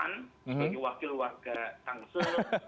bagi wakil warga tangsel